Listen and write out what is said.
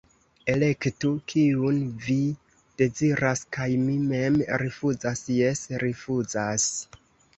Elektu, kiun vi deziras, kaj mi mem rifuzas, jes, rifuzas.